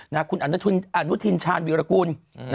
อ่อนุทิณชาณวิรกุล